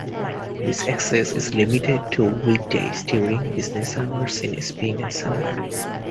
This access is limited to weekdays during business hours in spring and summer.